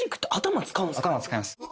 頭使います